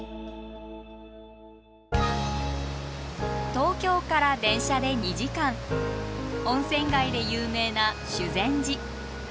東京から電車で２時間温泉街で有名な修善寺。